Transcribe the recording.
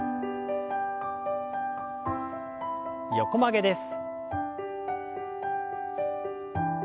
横曲げです。